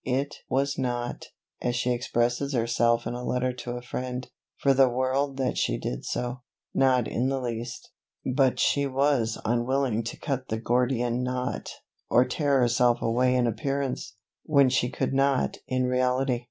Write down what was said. "It was not," as she expresses herself in a letter to a friend, "for the world that she did so not in the least but she was unwilling to cut the Gordian knot, or tear herself away in appearance, when she could not in reality".